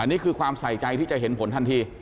นี่คือความใส่ใจที่จะเห็นผลทันที